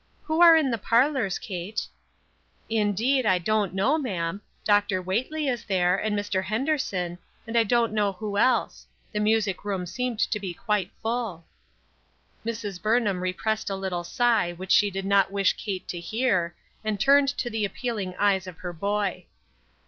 " Who are in the parlors, Kate ?"" Indeed, I don't know, ma'am ; Dr. Whately is there, and Mr. Henderson, and I don't know who else ; the music room seemed to be quite full." Mrs. Burnham repressed a little sigh which she did not wish Kate to hear, and turned to the ap pealing eyes of her boy.